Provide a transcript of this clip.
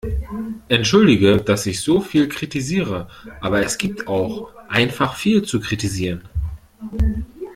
Entschuldige, dass ich so viel kritisiere, aber es gibt auch einfach viel zu kritisieren.